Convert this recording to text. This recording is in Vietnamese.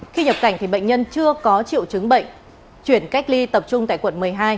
khi nhập cảnh thì bệnh nhân chưa có triệu chứng bệnh chuyển cách ly tập trung tại quận một mươi hai